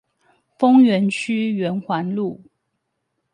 豐原區圓環路